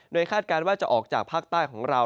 โดยคาดการณ์ว่าจะออกจากภาคใต้ของเรา